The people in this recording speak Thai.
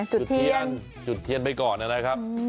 จุดเทียนจุดเทียนไปก่อนนะครับ